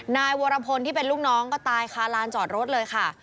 นายวรพลที่เป็นลูกน้องก็ตายคาลานจอดรถเลยค่ะ